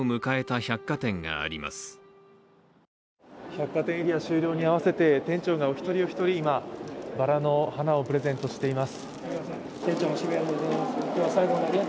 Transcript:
百貨店エリア終了に合わせて店長がお一人お一人にばらの花をプレゼントしています。